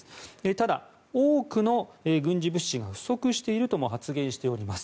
ただ、多くの軍事物資が不足しているとも発言しています。